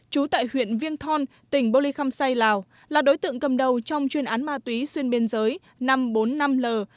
trú tại huyện viên thon tỉnh bô ly khăm say lào là đối tượng cầm đầu trong chuyên án ma túy xuyên biên giới năm trăm bốn mươi năm l